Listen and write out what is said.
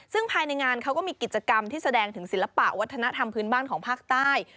ซึ่งภายในงานเขาก็มีกิจกรรมที่แสดงถึงศิลปะวัฒนธรรมพื้นบ้านของภาคใต้